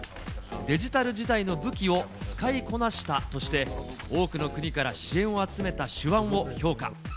デジタル時代の武器を使いこなしたとして、多くの国から支援を集めた手腕を評価。